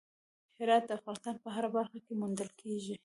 هرات د افغانستان په هره برخه کې موندل کېږي.